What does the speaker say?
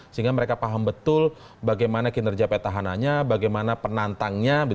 sehingga mereka paham betul bagaimana kinerja petahananya bagaimana penantangnya